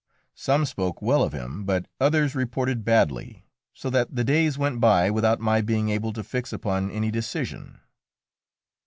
Some spoke well of him, but others reported badly, so that the days went by without my being able to fix upon any decision.